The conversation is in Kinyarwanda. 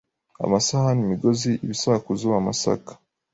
Amasahani imigozi ibisakuzo amasaka